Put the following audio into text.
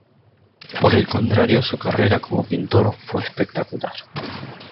Por el contrario, su carrera como pintor fue espectacular.